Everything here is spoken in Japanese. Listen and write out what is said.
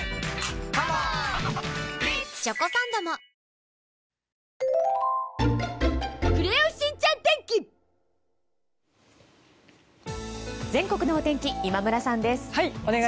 キリン「生茶」全国のお天気今村さんです。